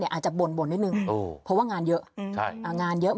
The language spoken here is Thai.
อาจจะบ่นนิดนึงเพราะว่างานเยอะงานเยอะ